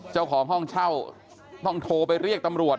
เจ้าของห้องเช่าต้องโทรไปเรียกตำรวจ